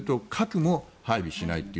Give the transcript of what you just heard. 核も配備しない。